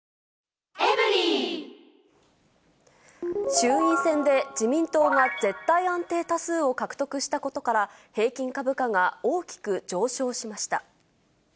衆院選で自民党が絶対安定多数を獲得したことから、平均株価が大きく上昇しました。